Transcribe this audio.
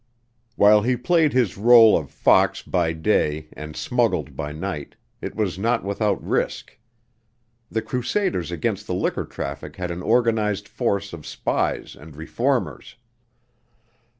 While he played his rôle of fox by day and smuggled by night, it was not without risk. The crusaders against the liquor traffic had an organized force of spies and reformers.